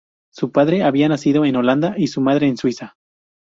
Su padre había nacido en Holanda y su madre en Suiza.